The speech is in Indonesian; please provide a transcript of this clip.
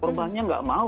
korbannya tidak mau